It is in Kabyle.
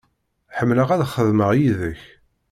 Ḥemmleɣ ad xedmeɣ yid-k.